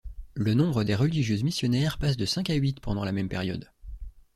Le nombre des religieuses missionnaires passe de cinq à huit pendant la même période.